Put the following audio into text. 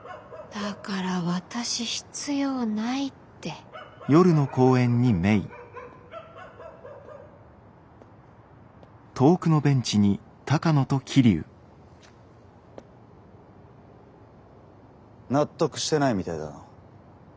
だから私必要ないって。納得してないみたいだな。